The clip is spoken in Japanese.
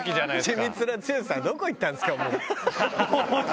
ちみつな剛さん、どこいったんですか。